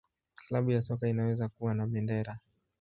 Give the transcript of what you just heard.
Klabu ya soka inaweza kuwa na bendera.